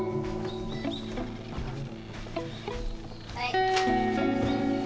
はい。